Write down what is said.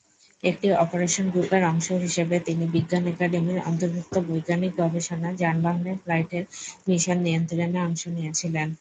একটি অপারেশন গ্রুপের অংশ হিসাবে, তিনি বিজ্ঞান একাডেমির অন্তর্ভুক্ত বৈজ্ঞানিক গবেষণা যানবাহনের ফ্লাইটের মিশন নিয়ন্ত্রণে অংশ নিয়েছিলেন।